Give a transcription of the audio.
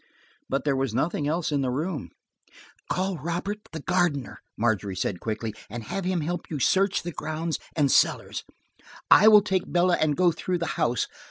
But there was nothing else in the room. "Call Robert, the gardener," Margery said quickly, "and have him help you search the grounds and cellars. I will take Bella and go through the house.